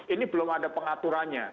ini belum ada pengaturannya